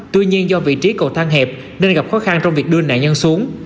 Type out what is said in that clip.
tuy nhiên do vị trí cầu thang hẹp nên gặp khó khăn trong việc đưa nạn nhân xuống